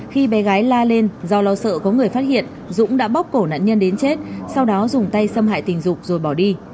khi bé gái la lên do lo sợ có người phát hiện dũng đã bóc cổ nạn nhân đến chết sau đó dùng tay xâm hại tình dục rồi bỏ đi